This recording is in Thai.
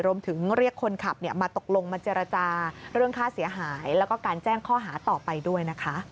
รวมถึงเรียกคนขับมาตกลงมจรรยาจาเรื่องค่าเสียหาย